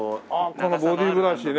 このボディーブラシで。